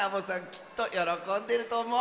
きっとよろこんでるとおもう！